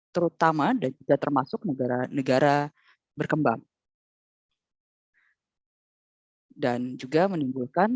terutama dan juga termasuk negara negara berkembang dan juga menimbulkan